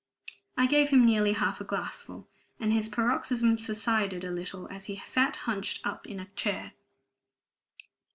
I gave him nearly half a glassful, and his paroxysm subsided a little as he sat hunched up in a chair.